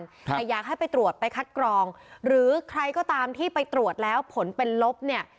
แต่อยากให้ไปตรวจไปคัดกรองหรือใครก็ตามที่ไปตรวจแล้วผลเป็นลบเนี่ย